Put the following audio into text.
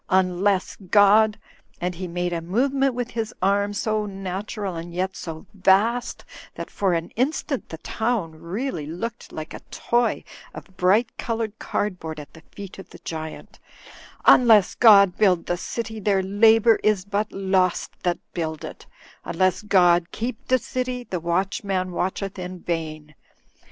'Un less God,' " and he made a movement with his arm, so natural and yet so vast that for an instant the town really looked like a toy of bright coloured cardboard at the feet of the giant; " 'imless God build the city, their labour is but lost that build it; unless God keep the city, the watchman watcheth in vain.